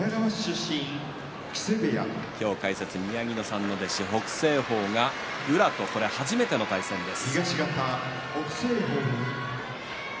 今日、解説宮城野さんの弟子、北青鵬が宇良と初めての対戦です。